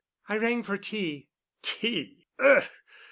"I rang for tea." "Tea? Ugh!